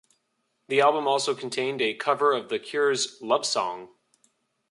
The album also contained a cover of The Cure's "Lovesong".